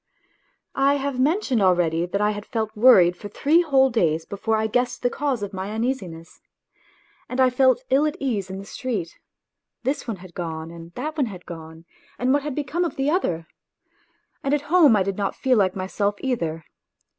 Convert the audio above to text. I have mentioned already that I had felt worried for three whole days before I guessed the cause of my uneasiness. And I felt ill at ease in the street this one had gone and that one had gone, and what had become of the other ? and at home I did not feel like myself either.